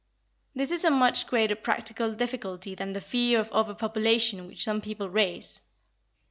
This is a much greater practical difficulty than the fear of over population which some people raise.